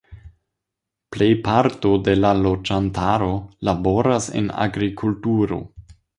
Plejparto de la loĝantaro laboras en agrikulturo.